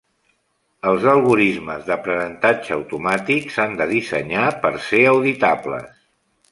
Els algorismes d'aprenentatge automàtic s'han de dissenyar per ser auditables.